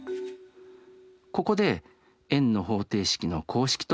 ここで円の方程式の公式と見比べます。